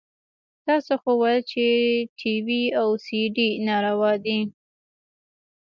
تاسو خو ويل چې ټي وي او سي ډي ناروا دي.